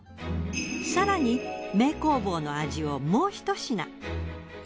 更に名工房の味をもう一品。